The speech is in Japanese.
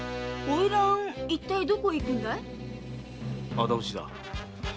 仇討ちだ。